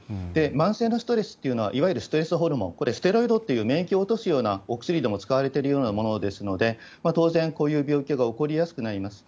慢性のストレスっていうのはいわゆるストレスホルモン、これ、ステロイドっていう、免疫を落とすようなお薬でも使われているものですので、当然、こういう病気が起こりやすくなります。